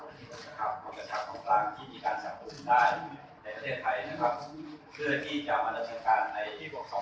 ส่วนที่หนึ่งก็คือในสำนักงานประวัติศาสตร์เองจะยื่นขออุตส่วนให้ประโยชน์จากบัญชาบนกลาง